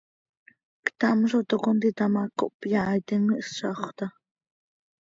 Ctam zo toc contita ma, cohpyaaitim, ihszaxö taa.